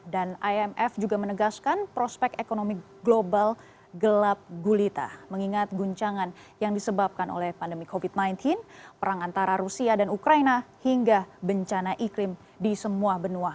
dan imf juga menegaskan prospek ekonomi global gelap gulita mengingat guncangan yang disebabkan oleh pandemi covid sembilan belas perang antara rusia dan ukraina hingga bencana iklim di semua benua